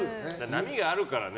波があるからね。